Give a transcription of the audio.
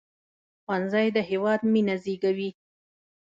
ښوونځی د هیواد مينه زیږوي